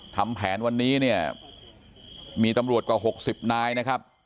ทำแผนวันนี้เนี่ยมีตำรวจกว่า๖๐นายนะครับ